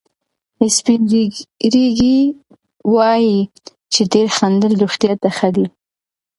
سپین ږیري وایي چې ډېر خندل روغتیا ته ښه دي.